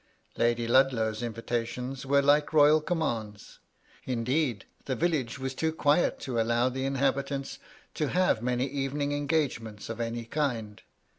Lady Ludlow's invitations were like royal commands. Indeed, the village was too quiet to allow the inhabit 210 MY LADY LUDLOW. ants to have many evening engagements of any kind.